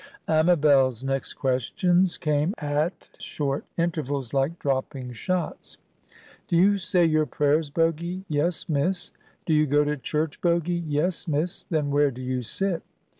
Amabel's next questions came at short intervals, like dropping shots. "Do you say your prayers, Bogy?" "Yes, Miss." "Do you go to church, Bogy?" "Yes, Miss." "Then where do you sit?"